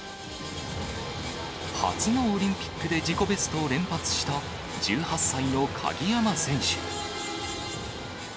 初のオリンピックで自己ベストを連発した、１８歳の鍵山選手。